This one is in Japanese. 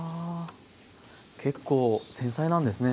結構繊細なんですね